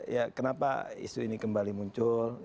ya kenapa isu ini kembali muncul